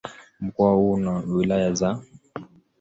Mkoa huu una wilaya za